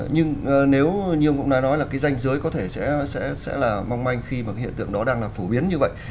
nhưng nếu như ông đã nói là danh dưới có thể sẽ là mong manh khi hiện tượng đó đang là phổ biến như vậy